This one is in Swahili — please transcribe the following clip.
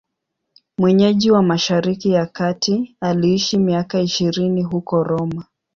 Mwenyeji wa Mashariki ya Kati, aliishi miaka ishirini huko Roma.